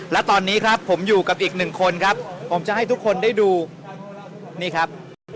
และตอนนี้ครับผมอยู่กับอีกหนึ่งคนครับผมจะให้ทุกคนได้ดูนี่ครับ